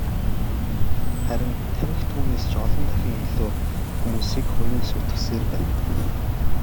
Харин тамхи түүнээс ч олон дахин илүү хүмүүсийг хөнөөн сүйтгэсээр байна.